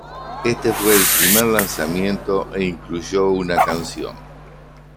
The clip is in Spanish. Este fue el primer lanzamiento e incluyó una canción.